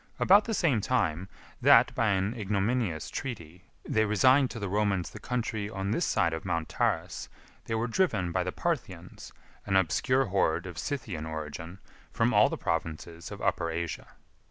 About the same time, that, by an ignominious treaty, they resigned to the Romans the country on this side Mount Tarus, they were driven by the Parthians, 1001 an obscure horde of Scythian origin, from all the provinces of Upper Asia.